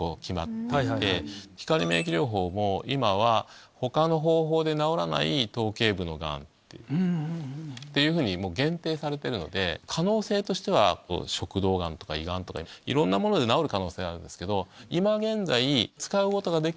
光免疫療法も今は他の方法で治らない頭頸部のガンっていうふうにもう限定されているので可能性としては食道ガンとか胃ガンとかいろんなもので治る可能性はあるんですけど。